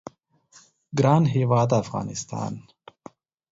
ګران هیواد افغانستان